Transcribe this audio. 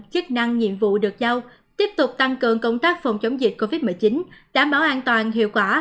chức năng nhiệm vụ được giao tiếp tục tăng cường công tác phòng chống dịch covid một mươi chín đảm bảo an toàn hiệu quả